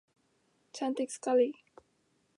Cantik sekali!